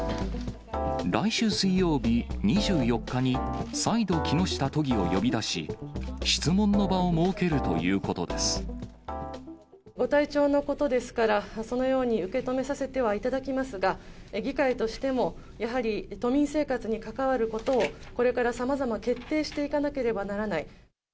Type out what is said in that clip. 来週水曜日２４日に、再度、木下都議を呼び出し、質問の場をご体調のことですから、そのように受け止めさせてはいただきますが、議会としてもやはり都民生活に関わることを、これからさまざま決定していかなければならない。